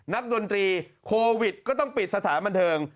ดนตรีโควิดก็ต้องปิดสถานบันเทิง